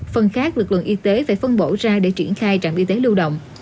phần khác lực lượng y tế phải phân bổ ra để triển khai trạm y tế lưu động